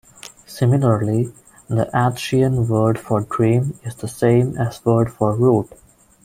Similarly, the Athshean word for "dream" is the same as the word for "root".